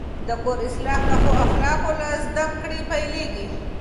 د کور اصلاح د ښو اخلاقو له زده کړې پیلېږي.